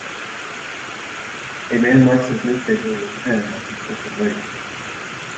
A man marks his newspaper with pen as he sit and waits.